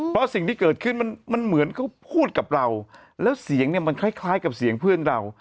เพราะสิ่งที่เกิดขึ้นมันเหมือนเขาพูดกับเราแล้วเสียงเนี่ยมันคล้ายกับเสียงเพื่อนเรา